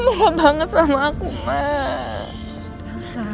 marah banget sama aku mah